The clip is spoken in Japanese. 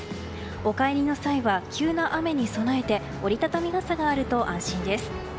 お帰りの際は急な雨に備えて折り畳み傘があると安心です。